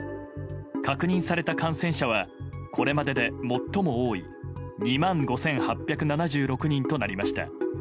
確認された感染者はこれまでで最も多い２万５８７６人となりました。